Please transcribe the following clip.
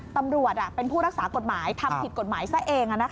ตำรวจเป็นผู้รักษากฎหมายทำผิดกฎหมายซะเอง